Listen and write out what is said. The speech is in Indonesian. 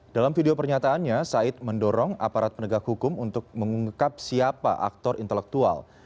dalam video pernyataannya said mendorong aparat penegak hukum untuk mengungkap siapa aktor intelektual